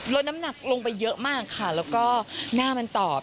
ลดน้ำหนักลงไปเยอะมากค่ะแล้วก็หน้ามันตอบ